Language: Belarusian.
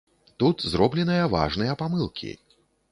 Тут зробленыя важныя памылкі.